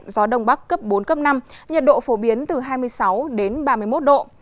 gió đông bắc cấp bốn cấp năm nhiệt độ phổ biến từ hai mươi sáu đến ba mươi một độ